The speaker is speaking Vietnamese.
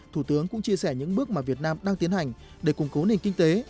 thủ tướng cũng chia sẻ những bước mà việt nam đang tiến hành để củng cố nền kinh tế